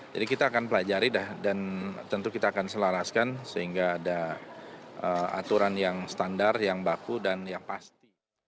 jadi kita akan pelajari dah dan tentu kita akan selaraskan sehingga ada aturan yang standar yang baku dan yang pasti